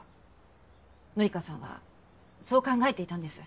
紀香さんはそう考えていたんです。